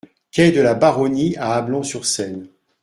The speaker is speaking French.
Quai de la Baronnie à Ablon-sur-Seine